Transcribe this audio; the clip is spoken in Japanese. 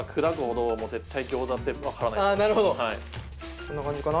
こんな感じかな？